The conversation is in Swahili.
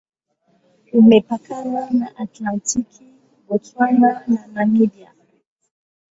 Imepakana na Atlantiki, Botswana na Namibia.